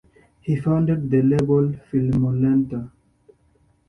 He founded the label "Fillmoelanta".